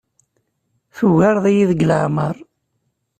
Tugareḍ-iyi deg leɛmeṛ.